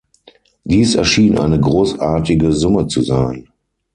Dies erschien eine großartige Summe zu sein.